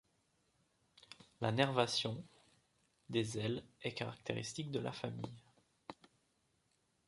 La nervation des ailes est caractéristique de la famille.